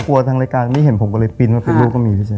พวกรับทางรายการไม่เห็นผมก็เลยปริ้นว่าก็มี